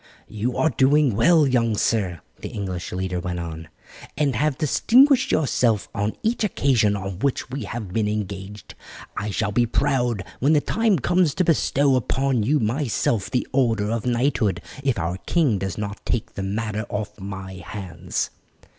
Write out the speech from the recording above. "You are doing well, young sir," the English leader went on, "and have distinguished yourself on each occasion on which we have been engaged. I shall be proud when the time comes to bestow upon you myself the order of knighthood if our king does not take the matter off my hands."